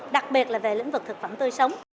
đặc biệt là về lĩnh vực thực phẩm tươi sống